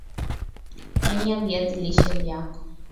Menya viazi lishe vyako